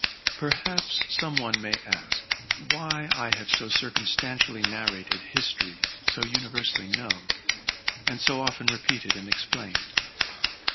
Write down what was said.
Perhaps some one may ask why I have so circumstantially narrated histories so univers sally known, and so often re peated and explained.